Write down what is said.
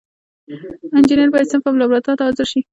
انجینر باید صنف او لابراتوار ته حاضر شي.